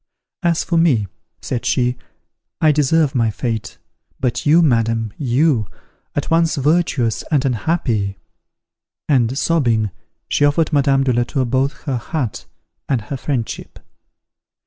"As for me," said she, "I deserve my fate: but you, madam you! at once virtuous and unhappy" and, sobbing, she offered Madame de la Tour both her hut and her friendship.